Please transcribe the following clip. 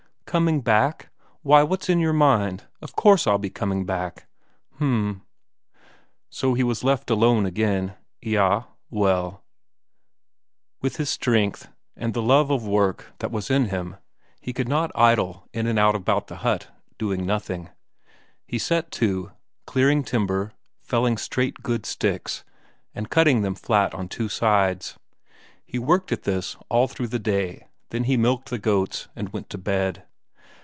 "Coming back? Why, what's in your mind? Of course I'll be coming back." "H'm." So he was left alone again eyah, well ...! With his strength, and the love of work that was in him, he could not idle in and out about the hut doing nothing; he set to, clearing timber, felling straight, good sticks, and cutting them flat on two sides. He worked at this all through the day, then he milked the goats and went to bed.